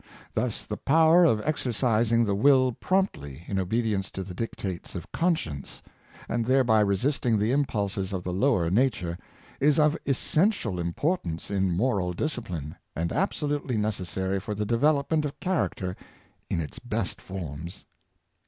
Thus, the power of exercising the will promptly, in obedience to the dictates of conscience, and thereby resisting the impulses of the lower nature, is of essential importance in moral discipline, and absolutely neces sary for the development of character in its best forms.